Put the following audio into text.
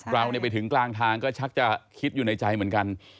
เราไปถึงกลางทางก็ชักจะคิดอยู่ในใจเหมือนกัน